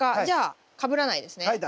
じゃあかぶらないですね。